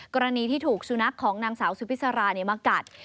กรณีที่ถูกสุนัขของนางสาวสุพิษรามากัด